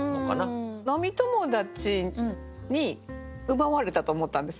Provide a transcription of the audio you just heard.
飲み友達に奪われたと思ったんです。